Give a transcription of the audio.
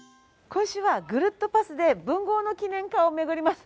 今週はぐるっとパスで文豪の記念館を巡ります。